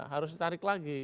harus ditarik lagi